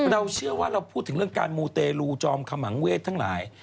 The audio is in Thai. เราเชื่อว่าเราพูดถึงเรื่องการมูเตรลูจอมขมังเวศทั้งหลาย